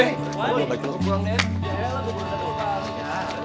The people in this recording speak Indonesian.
jalan jalan ke mana